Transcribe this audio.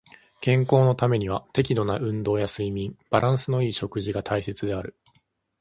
健康のためには適度な運動や睡眠、バランスの良い食事が大切である。